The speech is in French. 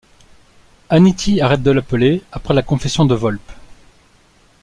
Hannity arrête de l'appeler après la confession de Volpe.